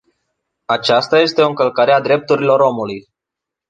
Aceasta este o încălcare a drepturilor omului.